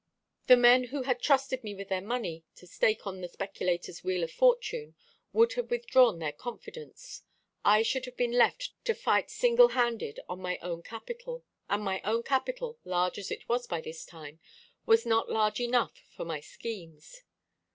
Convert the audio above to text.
The men who had trusted me with their money to stake on the speculator's wheel of fortune would have withdrawn their confidence. I should have been left to fight single handed on my own capital, and my own capital, large as it was by this time, was not large enough for my schemes.